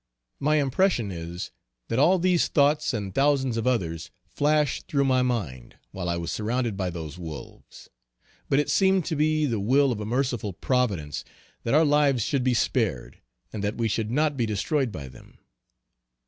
My impression is, that all these thoughts and thousands of others, flashed through my mind, while I was surrounded by those wolves. But it seemed to be the will of a merciful providence, that our lives should be spared, and that we should not be destroyed by them.